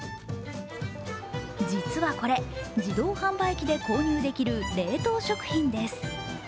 実はこれ、自動販売機で購入できる冷凍食品です。